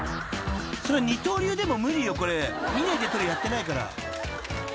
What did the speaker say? ［そりゃ二刀流でも無理よこれ見ないで捕るやってないから］